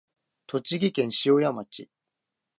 栃木県塩谷町